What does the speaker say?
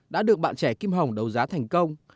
đã được bạn trẻ kim hồng đấu giá thành công